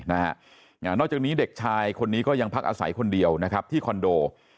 นอกจากนี้เด็กชายคนนี้ก็ยังพักอาศัยคนเดียวนะครับที่คอนโด